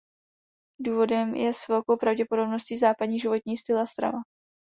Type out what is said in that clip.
Důvodem je s velkou pravděpodobností „západní“ životní styl a strava.